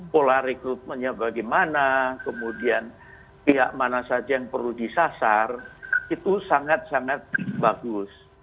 pola rekrutmennya bagaimana kemudian pihak mana saja yang perlu disasar itu sangat sangat bagus